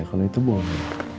kalau itu boleh